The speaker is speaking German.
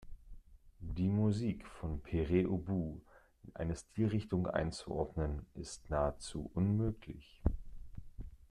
Die Musik von Pere Ubu in eine Stilrichtung einzuordnen, ist nahezu unmöglich.